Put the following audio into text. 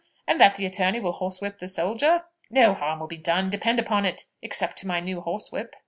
and that the attorney will horsewhip the soldier? No harm will be done, depend upon it, except to my new horsewhip."